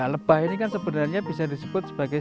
lebah ini kan sebenarnya bisa disebut sebagai